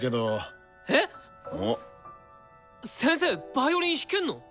ヴァイオリン弾けんの！？